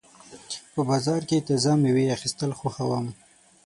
په بازار کې تازه مېوې اخیستل خوښوم.